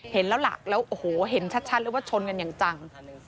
เห็นแล้วหลักแล้วโอ้โหเห็นชัดเลยว่าชนกันอย่างจัง